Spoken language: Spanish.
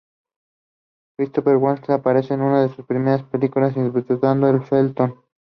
Christopher Walken aparece en una de sus primeras películas interpretando a Felton.